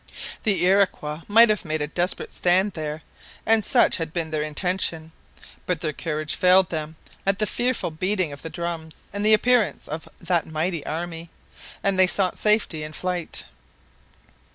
The Iroquois might have made a desperate stand there, and such had been their intention. But their courage failed them at the fearful beating of the drums and the appearance of that mighty army, and they sought safety in flight.